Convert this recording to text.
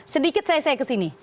sedikit saya kesini